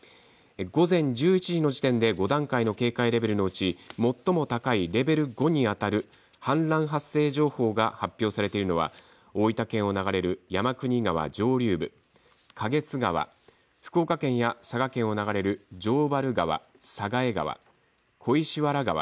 午前１１時の時点で５段階の警戒レベルのうち最も高いレベル５にあたる氾濫発生情報が発表されているのは大分県を流れる山国川上流部花月川、福岡県や佐賀県を流れる城原川、佐賀江川小石原川。